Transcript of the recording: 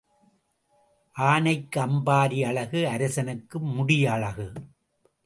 ஆனைக்கு அம்பாரி அழகு அரசனுக்கு முடி அழகு.